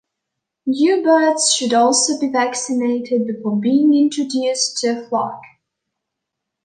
New birds should also be vaccinated before being introduced to a flock.